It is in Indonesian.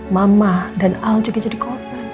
mama dan al juga jadi korban